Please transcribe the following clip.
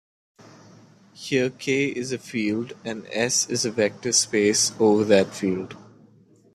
Here "K" is a field and "S" is a vector space over that field.